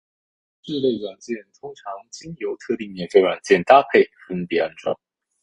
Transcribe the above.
这类软件通常经由与特定免费软件搭配分别安装。